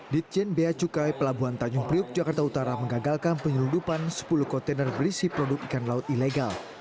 ditjen beacukai pelabuhan tanjung priok jakarta utara mengagalkan penyeludupan sepuluh kontainer berisi produk ikan laut ilegal